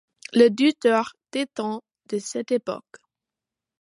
Les deux tours datent de cette époque.